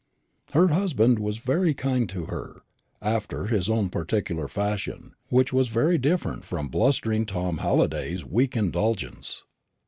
Her husband was very kind to her after his own particular fashion, which was very different from blustering Tom Halliday's weak indulgence.